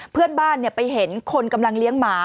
เพื่อนบ้านไปเห็นคนกำลังเลี้ยงหมา